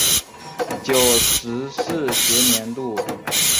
九十四学年度